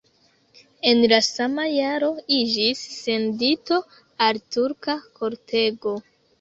En la sama jaro iĝis sendito al turka kortego.